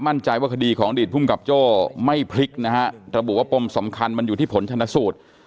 มั่นใจว่าคดีของอดีตภูมิกับโจ้ไม่พลิกนะฮะระบุว่าปมสำคัญมันอยู่ที่ผลชนะสูตร